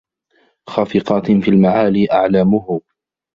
خافقاتٍ في المعالي أعلامهُ